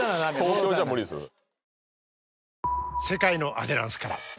東京じゃ無理ですよね